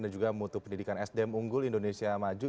dan juga mutu pendidikan sd mengunggul indonesia maju